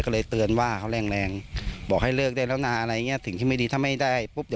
เขาบอกให้ขี่รถขึ้นเข้าขี่รถออกบ่อย